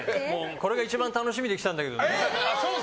これが一番楽しみで来たんだけど。